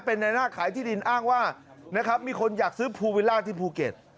เป็นนางหน้าขายที่ดินอ้างว่ามีคนอยากซื้อภูวิล่าที่ภูเกษ